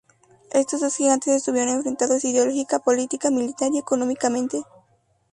Estos dos gigantes estuvieron enfrentados ideológica, política, militar, y económicamente.